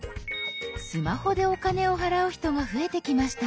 スマホでお金を払う人が増えてきました。